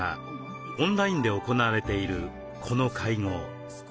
オンラインで行われているこの会合。